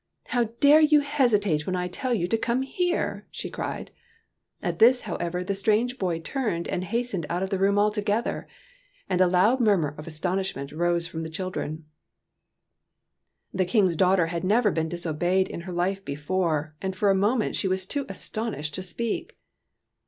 " How dare you hesitate when I tell you to come here ?" she cried. At this, however, the strange boy turned and hastened out of the room altogether ; and a loud murmur of aston ishment rose from the children. The King's daughter had never been dis obeyed in her life before, and for a moment she was too astonished to speak.